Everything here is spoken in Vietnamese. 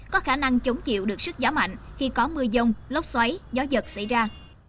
có khả năng chống chịu được sức gió mạnh khi có mưa dông lốc xoáy gió giật xảy ra